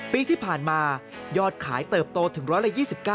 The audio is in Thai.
ปีที่ผ่านมายอดขายเติบโตถึง๑๒๙